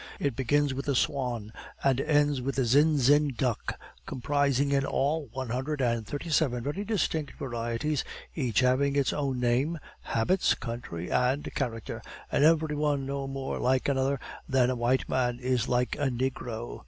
It begins with the swan and ends with the zin zin duck, comprising in all one hundred and thirty seven very distinct varieties, each having its own name, habits, country, and character, and every one no more like another than a white man is like a negro.